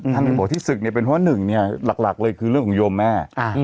บอกที่ศึกเนี่ยเป็นเพราะหนึ่งเนี่ยหลักเลยคือเรื่องของโยมแม่